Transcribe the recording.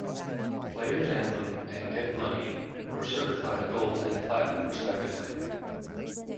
"Player's Anthem" and "Get Money" were certified Gold and Platinum respectively.